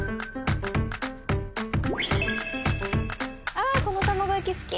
あっこの玉子焼き好き。